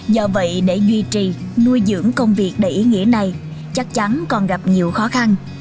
do vậy để duy trì nuôi dưỡng công việc đầy ý nghĩa này chắc chắn còn gặp nhiều khó khăn